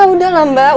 udah lah mbak